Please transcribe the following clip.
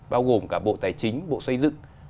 bao gồm cả bộ tài chính bộ xây dựng